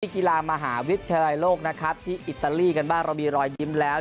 กีฬามหาวิทยาลัยโลกนะครับที่อิตาลีกันบ้างเรามีรอยยิ้มแล้ว